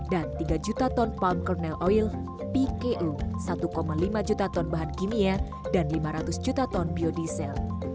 dan tiga juta ton palm kernel oil pko satu lima juta ton bahan kimia dan lima ratus juta ton biodiesel